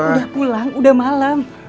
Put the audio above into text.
udah pulang udah malem